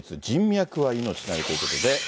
人脈は命なりということで。